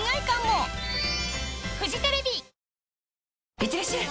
いってらっしゃい！